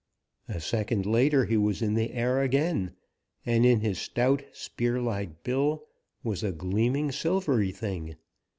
A second later he was in the air again, and in his stout, spear like bill was a gleaming, silvery thing.